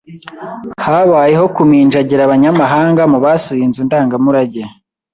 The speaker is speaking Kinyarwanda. Habayeho kuminjagira abanyamahanga mubasuye inzu ndangamurage